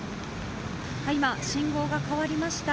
今信号が変わりました。